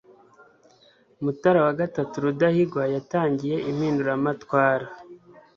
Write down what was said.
mutara iii rudahigwa yatangiye impinduramatwara